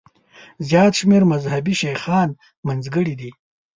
زیات شمېر مذهبي شیخان منځګړي دي.